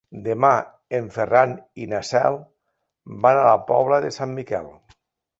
Demà en Ferran i na Cel van a la Pobla de Sant Miquel.